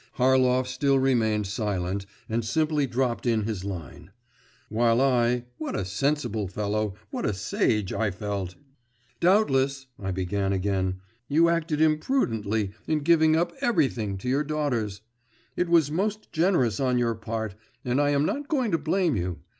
Harlov still remained silent, and simply dropped in his line; while I what a sensible fellow, what a sage I felt! 'Doubtless,' I began again, 'you acted imprudently in giving up everything to your daughters. It was most generous on your part, and I am not going to blame you.